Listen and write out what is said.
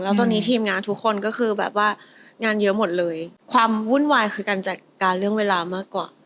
แล้วตอนนี้ทีมงานทุกคนก็คือแบบว่างานเยอะหมดเลยความวุ่นวายคือการจัดการเรื่องเวลามากกว่า